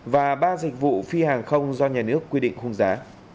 và ba dịch vụ phi hàng không do nhà nước quy định khung giá